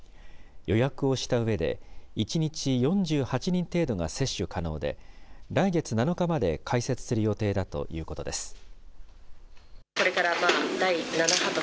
予約をしたうえで、１日４８人程度が接種可能で、来月７日まで開設する予定だということです。